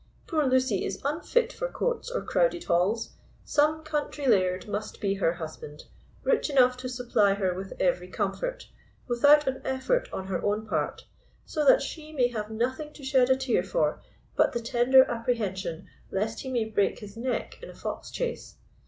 Poor Lucy is unfit for courts or crowded halls. Some country laird must be her husband, rich enough to supply her with every comfort, without an effort on her own part, so that she may have nothing to shed a tear for but the tender apprehension lest he may break his neck in a foxchase.